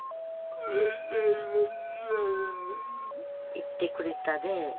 「言ってくれたで」